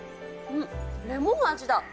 レモン味だ。